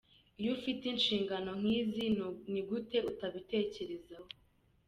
Iyo ufite inshingano nk’izi ni gute utabitekerezaho?”.